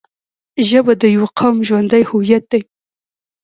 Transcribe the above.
ژبه د یوه قوم ژوندی هویت دی